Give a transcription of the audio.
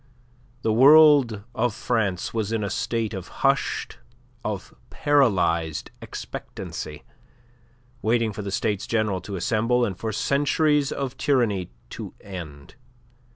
The world of France was in a state of hushed, of paralyzed expectancy, waiting for the States General to assemble and for centuries of tyranny to end.